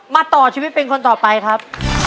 ต่อชีวิตเป็นคนต่อไปครับ